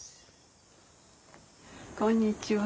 こんにちは。